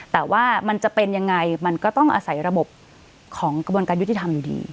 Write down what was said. แต่ว่ามันจะเป็นยังไงมันก็ต้องอาศัยระบบของกระบวนการยุติธรรมอยู่ดี